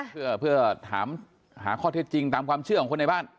เพื่อถามหาข้อเท็จจริงตามความเชื่อของคนในบ้าน